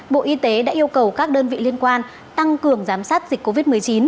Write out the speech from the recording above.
bộ y tế đã yêu cầu các đơn vị liên quan tăng cường giám sát dịch covid một mươi chín